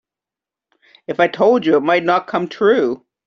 If I told you it might not come true.